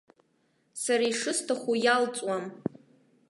Сара ишысҭаху иалҵуам.